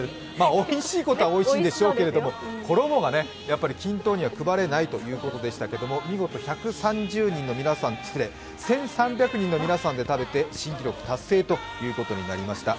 おいしいことはおいしんでしょうけれども、衣がね、均等には配れないということでしたけれど見事１３００人の皆さんで食べて新記録達成ということになりました。